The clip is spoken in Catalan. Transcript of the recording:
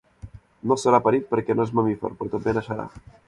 No serà parit perquè no és mamífer, però també naixerà.